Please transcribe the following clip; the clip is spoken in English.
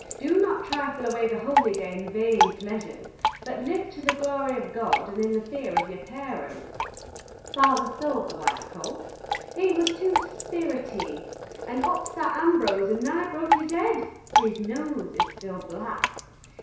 Do not trifle away the holy day in vane pleasures, but live to the glory of God, and in the fear of your parents. Father sold the white colt. He was too spirity, and upsat Ambrose and nigh broke his head. His nose is still black.